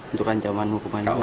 untuk ancaman hukuman